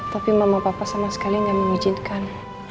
tapi mama papa sama sekali tidak mengizinkan